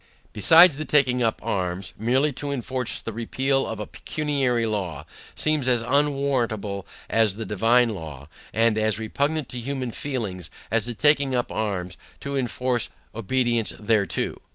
Besides, the taking up arms, merely to enforce the repeal of a pecuniary law, seems as unwarrantable by the divine law, and as repugnant to human feelings, as the taking up arms to enforce obedience thereto.